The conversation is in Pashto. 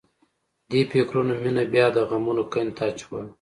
دې فکرونو مينه بیا د غمونو کندې ته اچوله